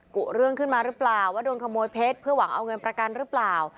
กุเรื่องขึ้นมาหรือเปล่าว่าโดนขโมยเพชรเพื่อหวังเอาเงินประกันหรือเปล่า